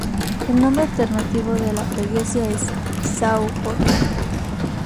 El nombre alternativo de la freguesia es São Jorge.